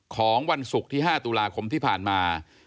ของวันศุกร์ที่๕ตุลาคมที่ผ่านมา